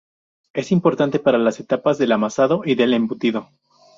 Es importante para las etapas del amasado y del embutido.